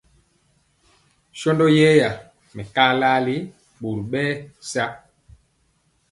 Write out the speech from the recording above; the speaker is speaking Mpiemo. Shɔndɔ yɛra mɛkaa laali ɓɔri bɛ sa.